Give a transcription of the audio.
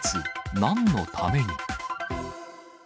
なんのために？